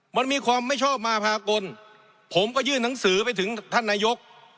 มันมีความไม่ชอบมาพากลผมก็ยื่นหนังสือไปถึงท่านนายก